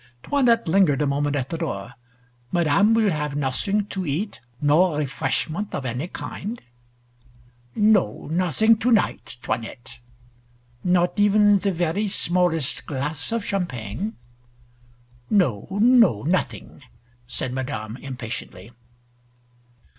'Toinette lingered a moment at the door; "Madame will have nothing to eat, no refreshment of any kind?" "No, nothing tonight, 'Toinette." "Not even the very smallest glass of champagne?" "No, no, nothing," said Madame impatiently.